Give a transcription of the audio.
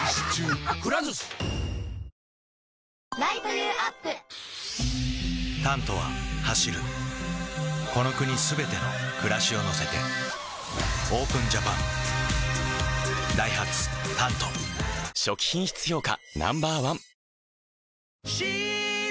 Ｎｏ．１「タント」は走るこの国すべての暮らしを乗せてＯＰＥＮＪＡＰＡＮダイハツ「タント」初期品質評価